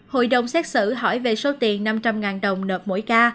hội đồng xét xử hỏi về số tiền năm trăm linh đồng nợ mỗi ca